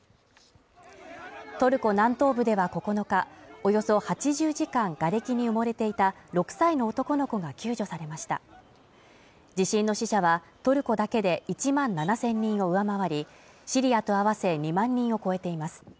トルコ南東部では９日およそ８０時間がれきに埋もれていた６歳の男の子が救助されました地震の死者はトルコだけで１万７０００人を上回りシリアと合わせ２万人を超えています